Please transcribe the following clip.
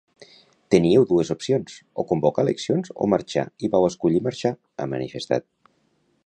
Teníeu dues opcions, o convocar eleccions o marxar i vau escollir marxar, ha manifestat.